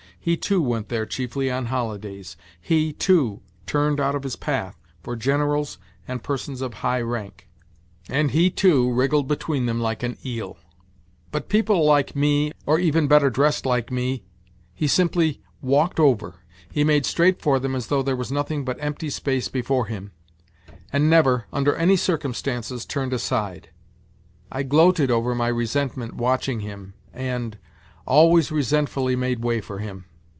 He, too, went there chiefly on holidays. He, too, turned 90 NOTES FROM UNDERGROUND out of his path for generals and persons of high rank, and he, too, wriggled between them like an eel ; but people, like me, or even better dressed like me, he simply walked over ; he made straight for them as though there was nothing but empty space before him, and never, under any circumstances, turned aside. I gloated over my resentment watching him and ... always resentfully made way for him.